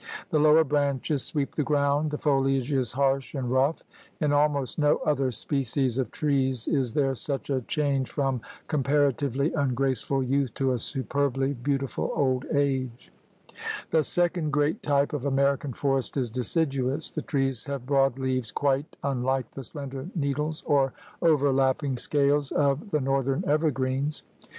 The lower branches sweep the ground. The foliage is harsh and rough. In almost no other species of trees is there such a change from comparatively ungraceful youth to a superbly beautiful old age. The second great type of American forest is deciduous. The trees have broad leaves quite un like the slender needles or overlapping scales of THE GARMENT OF VEGETATION 97 the northern evergreens.